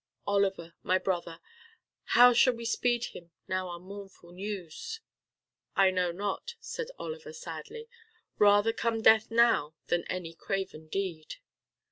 Oliver, my brother, how shall we speed him now our mournful news?" "I know not," said Oliver sadly, "rather come death now than any craven deed."